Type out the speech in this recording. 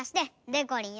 でこりん。